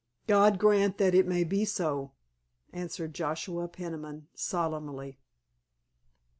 "God grant that it may be so," answered Joshua Peniman solemnly.